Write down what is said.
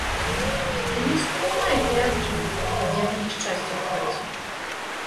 Ды не ўспамінай ты аб ім, праз яго няшчасце ў хаце.